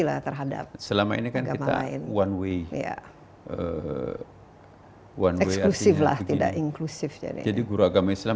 lah terhadap selama ini kan kita one way one way lah tidak inklusif jadi guru agama islam